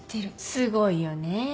すごいよね